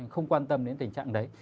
không quan tâm đến tình trạng đấy